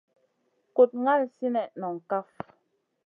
Kuɗ ŋal sinèh noŋ kaf.